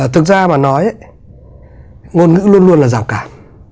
thực ra mà nói ngôn ngữ luôn luôn là rào cản